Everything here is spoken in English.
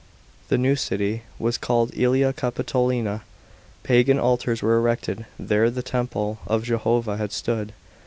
The new city was called ^Elia Capitolina; pagan altars were erected where the temple of Jehovah had stood.